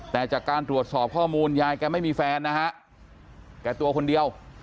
แต่จากการตรวจสอบข้อมูลยายแกไม่มีแฟนนะฮะแกตัวคนเดียว